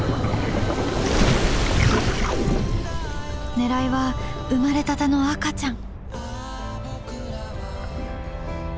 狙いは生まれたての赤ちゃん。